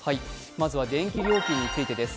まずは電気料金についてです。